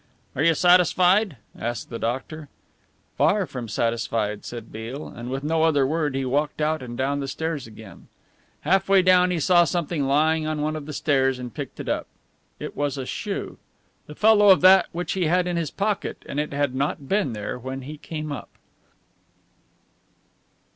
"Are you satisfied?" asked the doctor. "Far from satisfied," said Beale, and with no other word he walked out and down the stairs again. Half way down he saw something lying on one of the stairs and picked it up. It was a shoe, the fellow of that which he had in his pocket, and it had not been there when he came up.